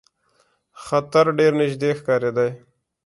خطر ډېر نیژدې ښکارېدی.